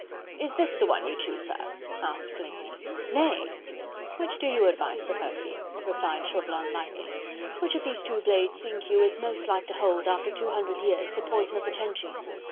"Is this the one you choose, sir?" asked Blakeney. "Nay! which do you advise, Sir Percy," replied Chauvelin lightly. "Which of those two blades think you is most like to hold after two hundred years the poison of the Cenci?"